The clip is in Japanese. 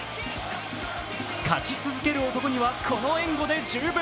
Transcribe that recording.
勝ち続ける男にはこの援護で十分。